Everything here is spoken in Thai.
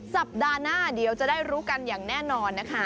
สัปดาห์หน้าเดี๋ยวจะได้รู้กันอย่างแน่นอนนะคะ